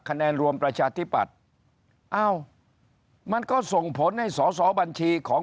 คะแนนรวมประชาธิปัตย์อ้าวมันก็ส่งผลให้สอสอบัญชีของ